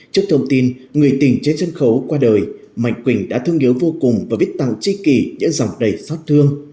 trước thông tin người tình trên sân khấu qua đời mạnh quỳnh đã thương hiếu vô cùng và viết tặng chi kỷ những dòng đầy xót thương